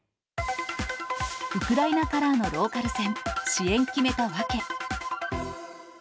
ウクライナカラーのローカル線、支援決めた訳。